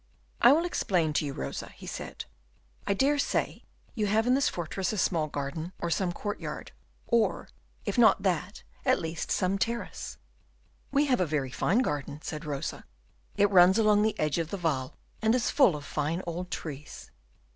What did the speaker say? "I will explain to you, Rosa," he said. "I dare say you have in this fortress a small garden, or some courtyard, or, if not that, at least some terrace." "We have a very fine garden," said Rosa, "it runs along the edge of the Waal, and is full of fine old trees."